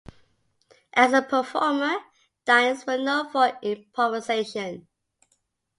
As a performer, Dyens was known for improvisation.